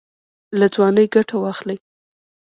له ځوانۍ ګټه واخلئ